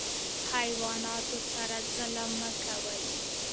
حیواناتو سره ظلم مه کوئ